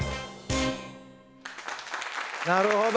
なるほど。